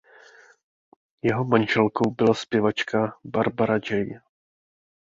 Jeho manželkou byla zpěvačka Barbara Jay.